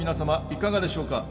いかがでしょうか？